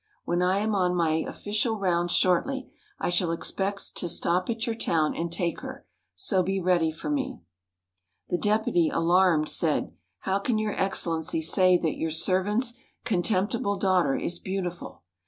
When I am on my official rounds shortly, I shall expect to stop at your town and take her. So be ready for me." The Deputy, alarmed, said, "How can your Excellency say that your servant's contemptible daughter is beautiful?